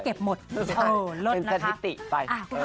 โอ้รถนะคะ